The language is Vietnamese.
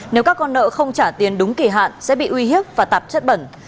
nếu các con nợ không trả tiền đúng kỳ hạn sẽ bị uy hiếp và tạp chất bẩn